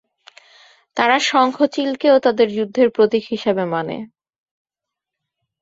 তারা শঙ্খ চিল কেও তাদের যুদ্ধের প্রতীক হিসেবে মানে।